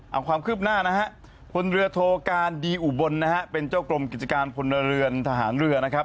เอาความคืบหน้านะฮะพลเรือโทการดีอุบลนะฮะเป็นเจ้ากรมกิจการพลเรือนทหารเรือนะครับ